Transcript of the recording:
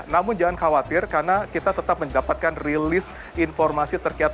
namun jangan khawatir karena kita tetap mendapatkan rilis informasi terkait